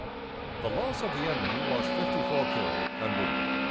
The loss of the enemy was fifty four killed and wounded.